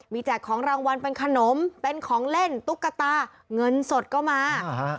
มีแจกของรางวัลเป็นขนมเป็นของเล่นตุ๊กตาเงินสดก็มา